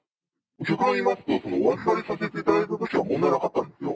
極論を言いますと、お預かりさせていただいたときは問題なかったんですよ。